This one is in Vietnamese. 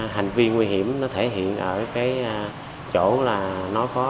hành vi nguy hiểm thể hiện ở chỗ